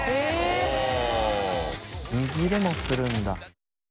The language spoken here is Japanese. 繊握れもするんだ。